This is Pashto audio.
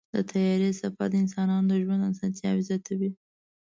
د طیارې سفر د انسانانو د ژوند اسانتیا زیاتوي.